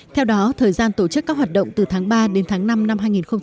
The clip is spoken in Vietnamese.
theo đó thời gian tổ chức các hoạt động từ tháng ba đến tháng năm năm hai nghìn hai mươi